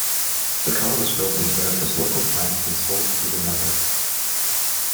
The car was built in Toyota's local plant and sold through their network.